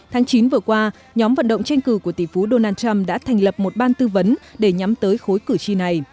tháng chín vừa qua nhóm vận động tranh cử của tỷ phú donald trump đã thành lập một ban tư vấn để nhắm tới khối cử tri này